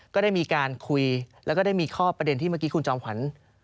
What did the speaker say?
ก็ได้มีการคุยแล้วก็ได้มีข้อประเด็นที่เมื่อกี้คุณจอมขวัญ